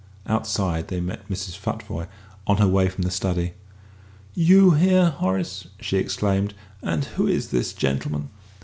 Outside they met Mrs. Futvoye on her way from the study. "You here, Horace?" she exclaimed. "And who is this gentleman?"